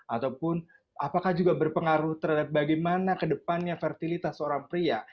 ataupun apakah juga berpengaruh terhadap bagaimana kedepannya fertilitas seorang pria